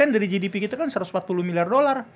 dari gdp kita kan satu ratus empat puluh miliar dolar